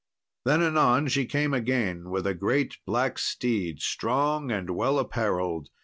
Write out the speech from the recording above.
Then anon she came again, with a great black steed, strong and well apparelled.